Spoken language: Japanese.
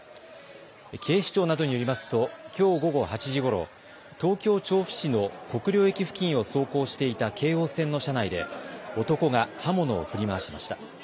警視庁などによりますときょう午後８時ごろ、東京調布市の国領駅付近を走行していた京王線の車内で男が刃物を振り回しました。